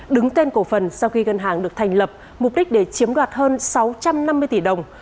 đứng tên cổ phần sau khi ngân hàng được thành lập mục đích để chiếm đoạt hơn sáu trăm năm mươi tỷ đồng